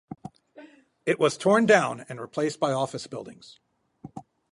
It was torn down and replaced by office buildings.